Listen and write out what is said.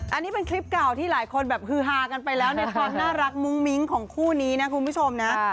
อันนี้เป็นคลิปเก่าที่หลายคนแบบฮือฮากันไปแล้วในความน่ารักมุ้งมิ้งของคู่นี้นะคุณผู้ชมนะ